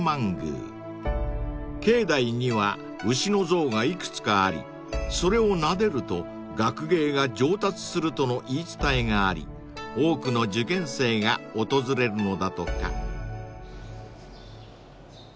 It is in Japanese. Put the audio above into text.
［境内には牛の像がいくつかありそれをなでると学芸が上達するとの言い伝えがあり多くの受験生が訪れるのだとか］